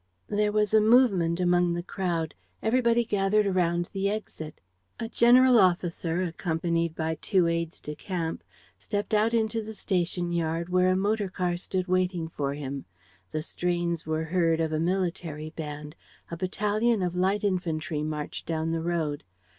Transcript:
There was a movement among the crowd. Everybody gathered around the exit. A general officer, accompanied by two aides de camp, stepped out into the station yard, where a motor car stood waiting for him. The strains were heard of a military band; a battalion of light infantry marched down the road.